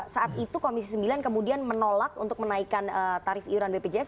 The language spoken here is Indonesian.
saat itu komisi sembilan kemudian menolak untuk menaikkan tarif iuran bpjs